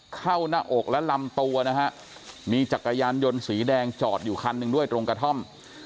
เข้าหน้าอกและลำตัวนะฮะมีจักรยานยนต์สีแดงจอดอยู่คันหนึ่งด้วยตรงกระท่อม